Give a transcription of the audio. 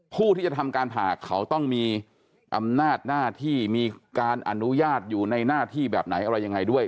ผู้ที่จะทำการผ่าเขาต้องมีอำนาจหน้าที่มีการอนุญาตอยู่ในหน้าที่แบบไหนอะไรยังไงด้วย